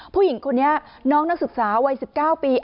ผู้หญิงคนนี้น้องนักศึกษาวัย๑๙ปี